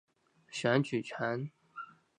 选举权。